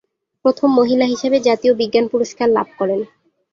প্রথম মহিলা হিসেবে জাতীয় বিজ্ঞান পুরস্কার লাভ করেন।